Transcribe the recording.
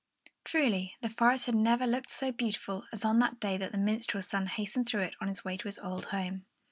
Truly, the forest had never looked so beautiful as on that day when the minstrel's son hastened through it on his way to his old home.